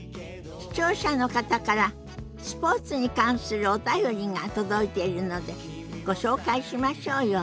視聴者の方からスポーツに関するお便りが届いているのでご紹介しましょうよ。